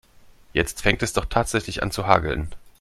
Jetzt fängt es doch tatsächlich an zu hageln.